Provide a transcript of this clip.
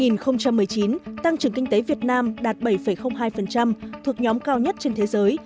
năm hai nghìn một mươi chín tăng trưởng kinh tế việt nam đạt bảy hai thuộc nhóm cao nhất trên thế giới